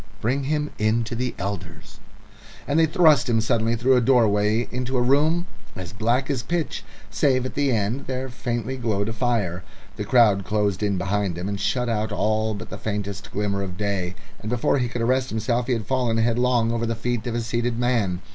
"Bring him to the elders." And they thrust him suddenly through a doorway into a room as black as pitch, save at the end there faintly glowed a fire. The crowd closed in behind him and shut out all but the faintest glimmer of day, and before he could arrest himself he had fallen headlong over the feet of a seated man.